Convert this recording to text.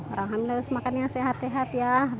orang hamil harus makan yang sehat sehat ya